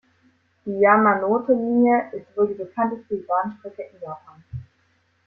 Die Yamanote-Linie ist wohl die bekannteste Bahnstrecke in Japan.